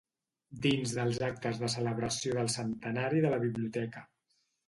Dins dels actes de Celebració del Centenari de la Biblioteca.